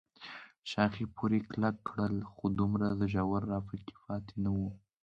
ښاخې پورې کلک کړل، خو دومره زور راپکې پاتې نه و.